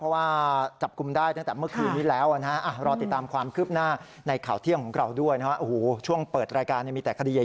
เพราะว่าจับกลุ่มได้ตั้งแต่เมื่อคืนนี้แล้วนะฮะ